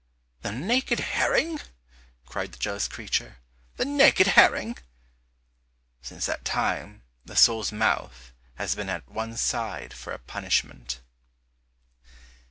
"The naked herring?" cried the jealous creature, "the naked herring?" Since that time the sole's mouth has been at one side for a punishment.